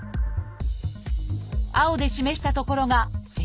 青で示した所が脊柱管。